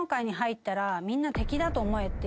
みんな敵だと思えっていう。